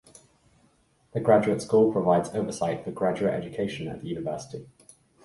The Graduate School provides oversight for graduate education at the university.